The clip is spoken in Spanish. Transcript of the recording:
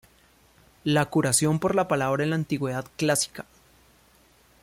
La curación por la palabra en la Antigüedad clásica.